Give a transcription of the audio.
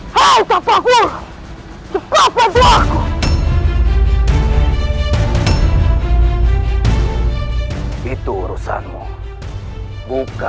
kakanda ingin menerima diri saya